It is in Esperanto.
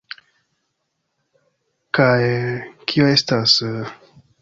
Kaj... kio estas...